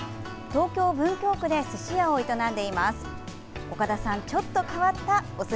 東京・文京区ですし屋を営んでいます。